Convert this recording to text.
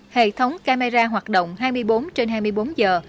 hệ thống camera hoạt động hai mươi bốn trên hai mươi bốn giờ